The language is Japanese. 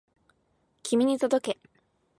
君に届け